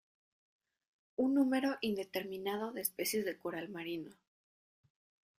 Un número indeterminado de especies de coral marino.